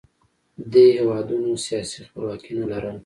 دې هېوادونو سیاسي خپلواکي نه لرله